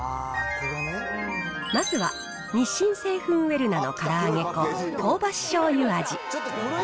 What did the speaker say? まずは、日清製粉ウェルナのから揚げ粉香ばししょうゆ味。